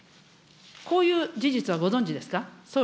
こういう事実はご存じですか。